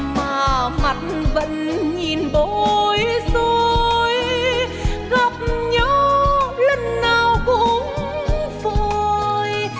mà mặt vẫn nhìn bối rối gặp nhau lần nào cũng vội